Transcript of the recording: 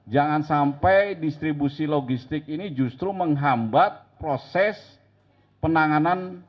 jangan sampai distribusi logistik ini justru menghambat proses penanganan